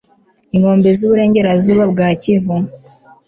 inkombe z uburengerazuba bwa Kivu